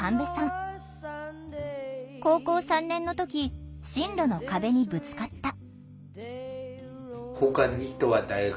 高校３年の時進路の壁にぶつかった。